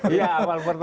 iya awal pertama ya